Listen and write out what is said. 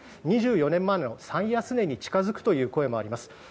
２４年前の最安値に近づくという声もあります。